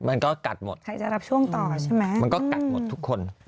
มันก็กัดหมดใครจะรับช่วงต่อใช่ไหมมันก็กัดหมดทุกคน